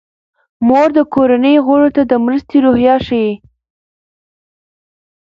مور د کورنۍ غړو ته د مرستې روحیه ښيي.